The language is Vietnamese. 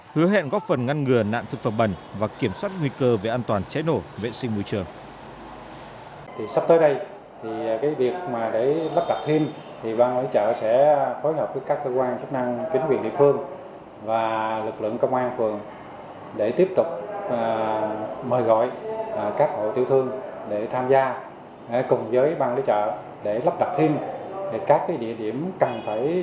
hứa hẹn góp phần ngăn ngừa nạn thực phẩm bẩn và kiểm soát nguy cơ về an toàn cháy nổ vệ sinh môi trường